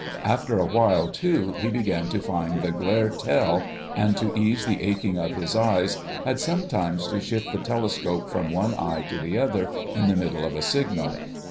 After a while, too, he began to find the glare tell, and to ease the aching of his eyes, had sometimes to shift the telescope from one eye to the other in the middle of a signal.